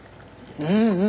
うんうん。